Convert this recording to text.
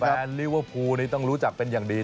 ลิเวอร์พูลนี่ต้องรู้จักเป็นอย่างดี